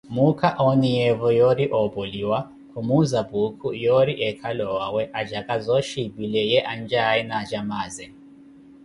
Muukha, ooniyeevo yoori oopoliwa, khumuuza Puukhu yoori eekhale owawe, acaka zooxhi epile ye ancaawe na acamaaze.